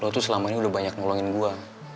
lo tuh selama ini udah banyak nolongin gue